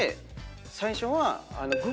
最初は。